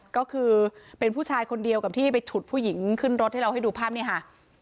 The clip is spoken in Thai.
ก็คือเป็นผู้ชายคนเดียวกับที่ไปฉุดผู้หญิงขึ้นรถให้เราให้ดูภาพนี้ค่ะ